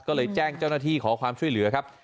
ก็เลยแจ้งเจ้าหน้าที่ขอความช่วยเหลือครับ